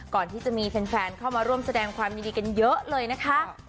ก่อนที่จะมีแฟนเข้ามาร่วมแสดงความยินดีกันเยอะเลยนะคะ